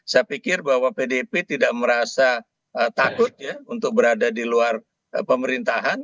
saya pikir bahwa pdip tidak merasa takut ya untuk berada di luar pemerintahan